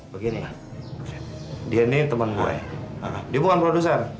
begini dia nih temen gue dia bukan produser